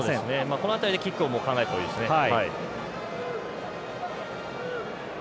この辺りキックを考えたほうがいいですね。